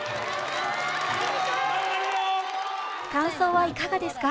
感想はいかがですか？